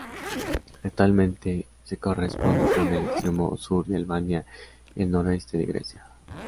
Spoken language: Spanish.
Actualmente se corresponde con el extremo sur de Albania y el noroeste de Grecia.